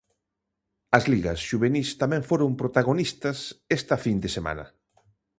As ligas xuvenís tamén foron protagonistas esta fin de semana.